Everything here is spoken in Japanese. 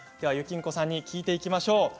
ゆきんこさんに聞いていきましょう。